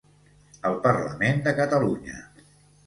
El Parlament de Catalunya